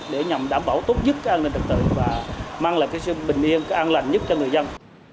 để nhằm đảm bảo tốt nhất an ninh trật tự và mang lại sự bình yên an lành nhất cho người dân